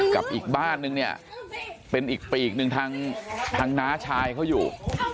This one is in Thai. กับอีกบ้านนึงเนี่ยเป็นอีกปีกหนึ่งทางน้าชายเขาอยู่